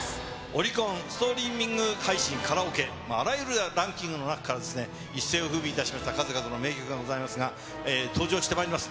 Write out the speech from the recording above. オリコン、ストリーミング、配信・カラオケ、あらゆるランキングの中から、一世をふうびしました数々の名曲がございますが、登場してまいります。